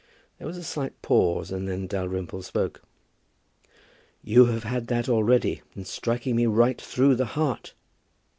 There was a slight pause, and then Dalrymple spoke. "You have had that already, in striking me right through the heart."